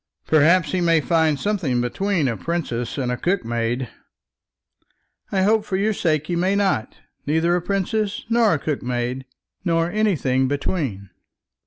"Perhaps he may find something between a princess and a cookmaid." "I hope, for your sake, he may not; neither a princess nor a cookmaid, nor anything between."